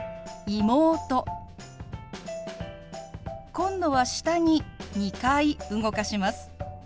今度は下に２回動かします。